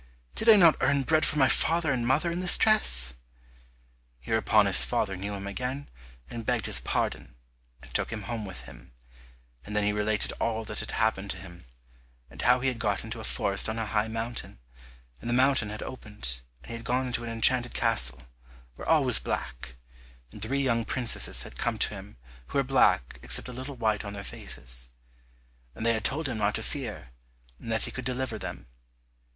Did I not earn bread for my father and mother in this dress?" Hereupon his father knew him again, and begged his pardon, and took him home with him, and then he related all that had happened to him, and how he had got into a forest on a high mountain, and the mountain had opened and he had gone into an enchanted castle, where all was black, and three young princesses had come to him who were black except a little white on their faces. And they had told him not to fear, and that he could deliver them.